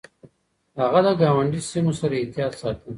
هغه د ګاونډي سيمو سره احتياط ساته.